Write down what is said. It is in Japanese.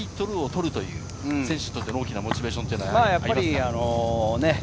日本タイトルを取るという選手にとって大きなモチベーションになりますか？